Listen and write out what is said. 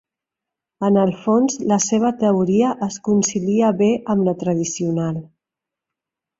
En el fons la seva teoria es concilia bé amb la tradicional.